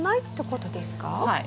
はい。